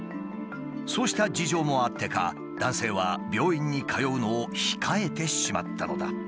そうした事情もあってか男性は病院に通うのを控えてしまったのだ。